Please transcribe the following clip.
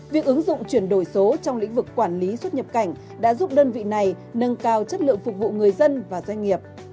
việc ứng dụng chuyển đổi số trong lĩnh vực quản lý xuất nhập cảnh đã giúp đơn vị này nâng cao chất lượng